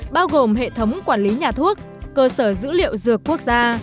bao gồm hệ thống quản lý nhà thuốc cơ sở dữ liệu dược quốc gia